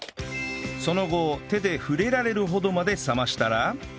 その後手で触れられるほどまで冷ましたら